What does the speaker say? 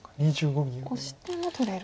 オシても取れる。